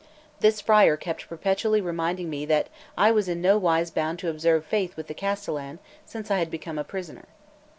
This friar kept perpetually reminding me that I was in no wise bound to observe faith with the castellan, since I had become a prisoner.